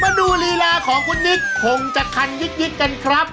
มาดูลีลาของคุณนิกคงจะคันยิกกันครับ